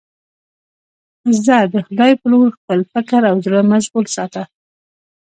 زه د خدای په لور خپل فکر او زړه مشغول ساته.